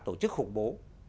tổ chức khủng bố